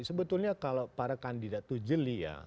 sebetulnya kalau para kandidat itu jeli ya